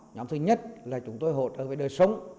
nhóm thứ nhất là chúng tôi hộ đời với đời sống